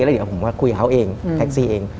เดี๋ยวผมมาคุยกับเขาเองแท็กซี่เอง